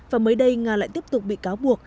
và mới đây nga lại tiếp tục bị cáo buộc